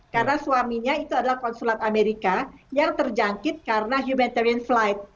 karena suaminya itu adalah konsulat amerika yang terjangkit karena humanitarian flight